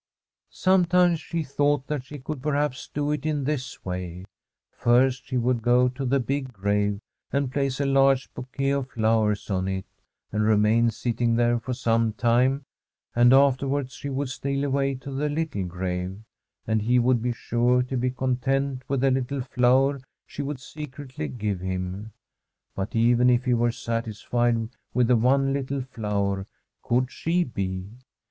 Sometimes she thought that she could, perhaps, do it in this way : First she would go to the big Tbi INSCRIPTION on tbe GRAVE grave and place a large bouquet of flowers on it, and remain sitting there for some time, and afterwards she would steal away to the little grave ; and he would be sure to be content with the little flower she would secretly g^ve him. But even if he were satisfied with the one little flower, could she be